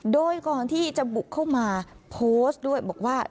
โดยก่อนที่จะบุกเข้ามาโพสต์ด้วยบอกว่า